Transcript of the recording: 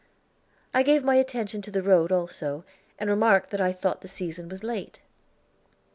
I gave my attention to the road also, and remarked that I thought the season was late.